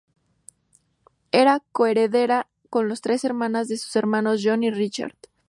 Era co-heredera con sus tres hermanas de sus hermanos John y Richard.